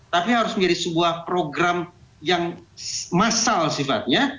tapi harus menjadi sebuah program yang massal sifatnya